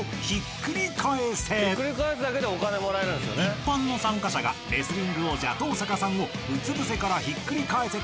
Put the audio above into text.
［一般の参加者がレスリング王者登坂さんをうつぶせからひっくり返せたら賞金獲得］